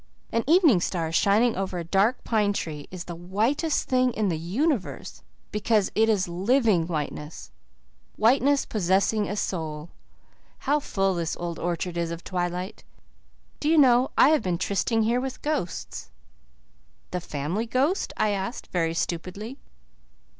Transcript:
An evening star shining over a dark pine tree is the whitest thing in the universe because it is LIVING whiteness whiteness possessing a soul. How full this old orchard is of twilight! Do you know, I have been trysting here with ghosts." "The Family Ghost?" I asked, very stupidly.